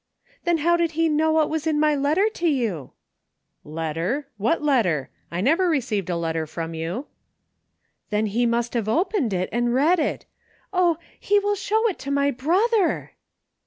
" Then how did he know what was in my letter to you?" "Letter? What letter? I never received a letter from you." " Then he must have opened it and read it Oh, he will show it to my brother!